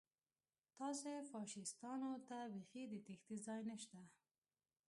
تاسې فاشیستانو ته بیخي د تېښتې ځای نشته